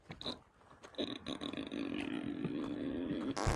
Two flat-bottom vessels allow unloading fifty men and light vehicles each.